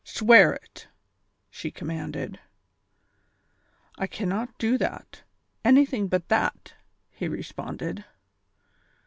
Swear it !" she commanded. "I cannot do that ; anything but that," he responded.